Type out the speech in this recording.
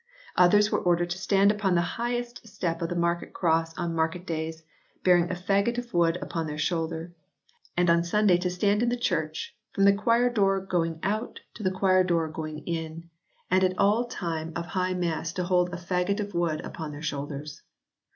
Others were ordered to stand upon the highest step of the market cross on market days bearing a faggot of wood upon their shoulder ; and on Sunday to stand in the church from the choir door going out to the choir door going in, II] WYCLIFFE S MANUSCRIPT BIBLE 33 and all the time of high mass to hold a faggot of wood upon their shoulders.